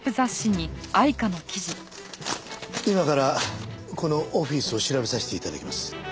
今からこのオフィスを調べさせて頂きます。